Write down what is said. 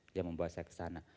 dia membawa saya ke sana